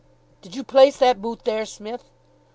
"Did you place that boot there, Smith?"